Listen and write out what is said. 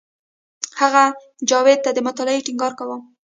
هغه جاوید ته د مطالعې ټینګار کاوه